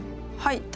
はい。